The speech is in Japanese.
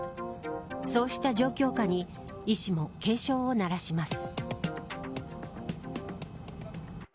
そうした状況下に医師も警鐘を鳴らします。